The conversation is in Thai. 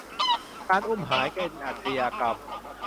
การอุ้มหายเป็นอาชญากรรม